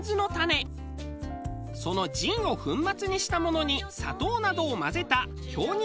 その仁を粉末にしたものに砂糖などを混ぜた杏仁